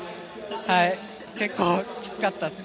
結構きつかったです